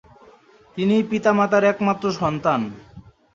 তিনি পিতা-মাতার একমাত্র সন্তান।